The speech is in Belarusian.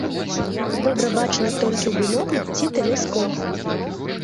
Добра бачныя толькі ў бінокль ці тэлескоп.